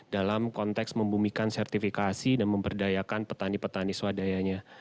dalam konteks membumikan sertifikasi dan memberdayakan petani petani swadayanya